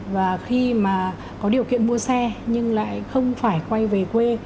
và khi mà có điều kiện mua xe nhưng lại không phải quay về quê